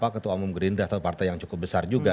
ketua umum gerindra atau partai yang cukup besar juga